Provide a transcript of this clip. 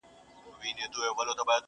که پر سد که لېوني دي ټول په کاڼو سره ولي.!